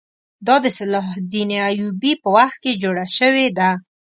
دا د صلاح الدین ایوبي په وخت کې جوړه شوې ده.